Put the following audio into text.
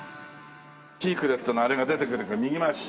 シークレットのあれが出てくるか右回し。